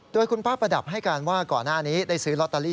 โดยคุณป้าประดับให้การว่าก่อนหน้านี้ได้ซื้อลอตเตอรี่